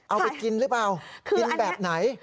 เอาไปกินหรือเปล่ากินแบบไหน